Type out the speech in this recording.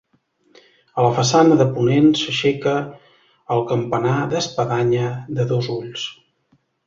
A la façana de ponent s'aixeca el campanar d'espadanya de dos ulls.